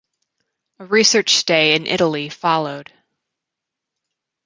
A research stay in Italy followed.